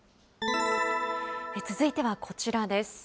続いてはこちらです。